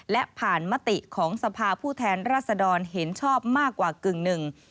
และผ่านมติของสภาผู้แทนรัศดรเห็นชอบมากกว่ากึ่งหนึ่ง